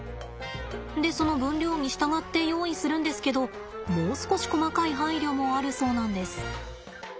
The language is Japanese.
でその分量に従って用意するんですけどもう少し細かい配慮もあるそうなんです。